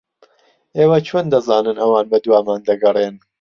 ئێوە چۆن دەزانن ئەوان بەدوامان دەگەڕێن؟